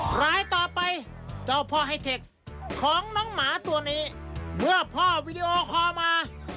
รายต่อไปเจ้าพ่อไฮเทคของน้องหมาตัวนี้เมื่อพ่อวีดีโอคอลมา